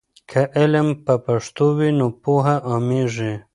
که علم په پښتو وي نو پوهه عامېږي.